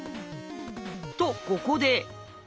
とここで。